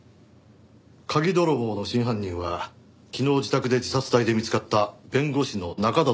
鍵泥棒の真犯人は昨日自宅で自殺体で見つかった弁護士の中郷都々子だそうだな？